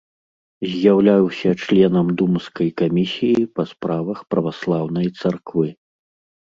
З'яўляўся членам думскай камісіі па справах праваслаўнай царквы.